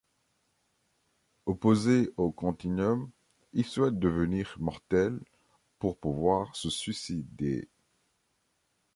Opposé au Continuum, il souhaite devenir mortel pour pouvoir se suicider.